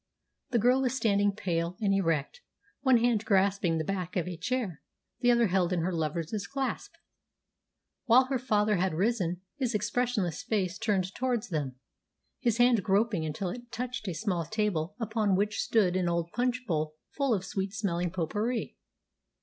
The girl was standing pale and erect, one hand grasping the back of a chair, the other held in her lover's clasp, while her father had risen, his expressionless face turned towards them, his hand groping until it touched a small table upon which stood an old punch bowl full of sweet smelling pot pourri.